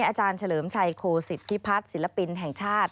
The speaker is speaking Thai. อาจารย์เฉลิมชัยโคศิษฐพิพัฒน์ศิลปินแห่งชาติ